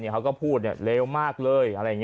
เขาก็พูดเลวมากเลย